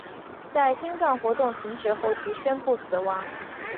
在心脏活动停止后即宣布死亡。